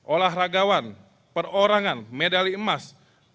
olahragawan perorangan medali emas